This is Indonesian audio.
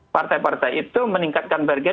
partai partai itu meningkatkan bergen